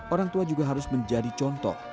orang tua juga harus menjadi contoh